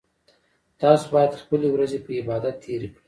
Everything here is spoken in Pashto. تاسو باید خپلې ورځې په عبادت تیرې کړئ